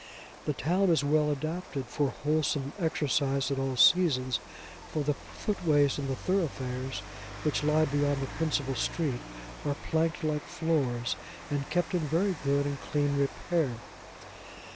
The town is well adapted for wholesome exercise at all seasons, for the footways in the thoroughfares which lie beyond the principal street, are planked like floors, and kept in very good and clean repair.